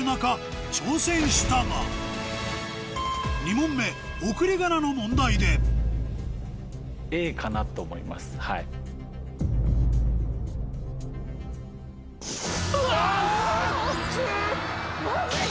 ２問目送り仮名の問題でうわウソ！